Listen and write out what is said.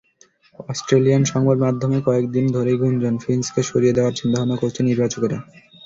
Australian সংবাদমাধ্যমে কয়েক দিন ধরেই গুঞ্জন, ফিঞ্চকে সরিয়ে দেওয়ার চিন্তাভাবনা করছেন নির্বাচকেরা।